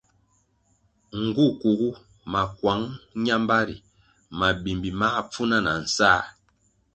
Nğu kuğu makuang ñambari mabimbi máh pfuna na nsáh.